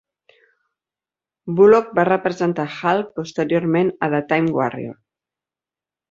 Bulloch va representar Hal posteriorment a "The Time Warrior".